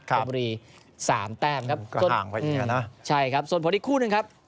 ชมบุรี๓แต้มครับก็ห่างไปอีกแล้วนะใช่ครับส่วนผลอีกคู่นึงครับ